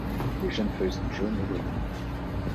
Les jeunes feuilles sont jaunes et brillantes.